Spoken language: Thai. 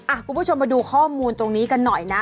คุณผู้ชมมาดูข้อมูลตรงนี้กันหน่อยนะ